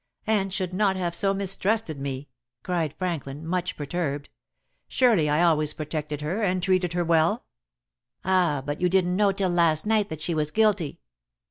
"Anne should not have so mistrusted me," cried Franklin, much perturbed. "Surely I always protected her, and treated her well." "Ah, but you didn't know till last night that she was guilty."